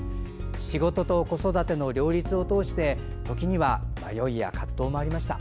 仕事と子育ての両立を通して時には迷いや葛藤もありました。